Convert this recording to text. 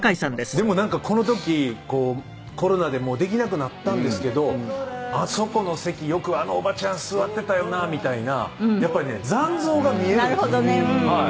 でもなんかこの時コロナでもうできなくなったんですけどあそこの席よくあのおばちゃん座ってたよなみたいなやっぱりね残像が見えるんです。